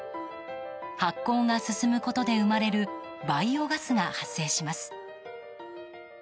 発酵が進むことで生まれるバイオガスが発生します。